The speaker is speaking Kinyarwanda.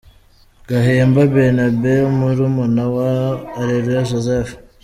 Gahemba Bernabe murumuna wa Areruya Joseph .